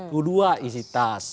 kedua isi tas